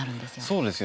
そうですよね。